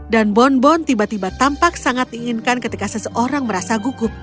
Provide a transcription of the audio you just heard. dan bonbon tiba tiba tampak sangat diinginkan ketika seseorang merasa gugup